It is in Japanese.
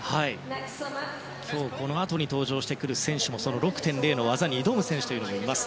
今日このあと登場する選手も６．０の技に挑む選手もいます。